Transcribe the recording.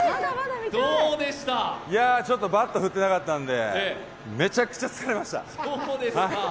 バット振ってなかったんでめちゃくちゃ疲れました。